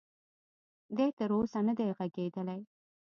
دې تر اوسه ندی ږغېدلی.